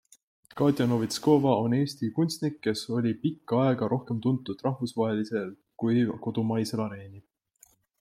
Katja Novitskova on Eesti kunstnik, kes oli pikka aega rohkem tuntud rahvusvahelisel kui kodumaisel areenil.